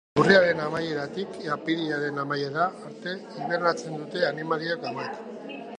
Urriaren amaieratik apirilaren amaierara arte hibernatzen dute animalia hauek.